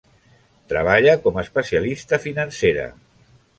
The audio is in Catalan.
Treballa com a especialista financera.